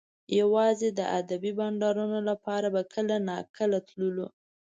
یوازې د ادبي بنډارونو لپاره به کله ناکله تللو